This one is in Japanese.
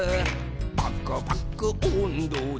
「パクパクおんどで」